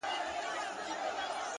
صبر د بریا د پخېدو فصل دی،